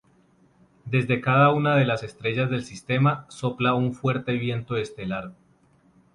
Desde cada una de las estrellas del sistema sopla un fuerte viento estelar.